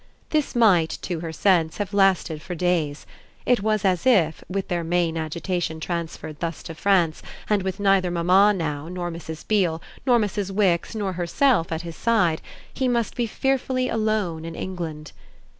This might, to her sense, have lasted for days; it was as if, with their main agitation transferred thus to France and with neither mamma now nor Mrs. Beale nor Mrs. Wix nor herself at his side, he must be fearfully alone in England.